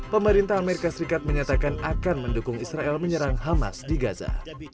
pemerintah amerika serikat menyatakan akan mendukung israel menyerang hamas di gaza